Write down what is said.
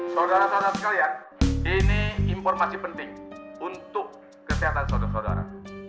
saudara saudara sekalian ini informasi penting untuk kesehatan saudara saudara